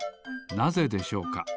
なぜでしょうか？